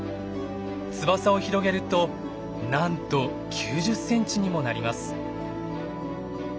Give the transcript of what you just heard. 翼を広げるとなんと９０センチにもなります。